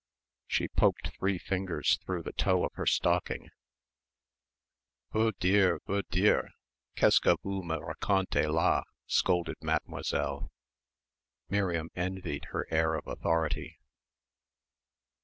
She poked three fingers through the toe of her stocking. "Veux dire, veux dire Qu'est ce que vous me racontez là?" scolded Mademoiselle. Miriam envied her air of authority.